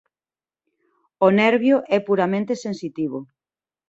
O nervio é puramente sensitivo.